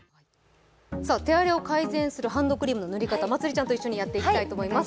手荒れを改善するハンドクリームの塗り方、まつりちゃんと一緒にやっていきます。